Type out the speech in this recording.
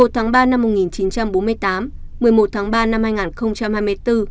một mươi tháng ba năm một nghìn chín trăm bốn mươi tám một mươi một tháng ba năm hai nghìn hai mươi bốn